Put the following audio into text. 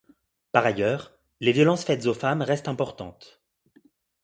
Par ailleurs, les violences faites aux femmes restent importantes.